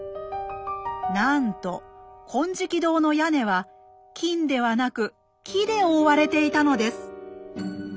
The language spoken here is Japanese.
なんと金色堂の屋根は金ではなく木で覆われていたのです。